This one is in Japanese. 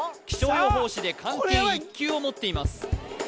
気象予報士で漢検１級を持っています